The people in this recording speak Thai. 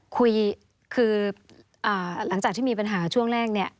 คุยคือหลังจากที่มีปัญหาช่วงแรกเนี่ย